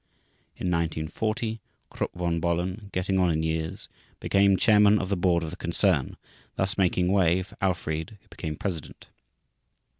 In 1940 Krupp von Bohlen, getting on in years, became chairman of the board of the concern, thus making way for Alfried who became president.